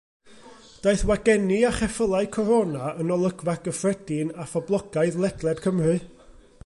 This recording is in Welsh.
Daeth wagenni a cheffylau Corona yn olygfa gyffredin a phoblogaidd ledled Cymru.